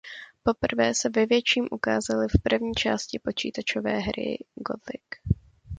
Poprvé se ve větším ukázali v první částí počítačové hry Gothic.